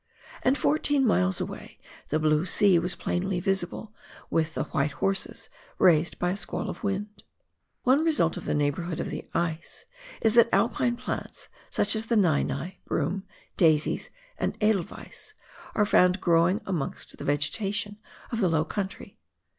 And fourteen miles away, the blue sea was plainly visible, with the "white horses" raised by a squaU of wind. One result of the neighbourhood of the ice is that Alpine plants, such as the nei nei, broom, daisies, and edelweiss, are found growing amongst the vegetation of the low country.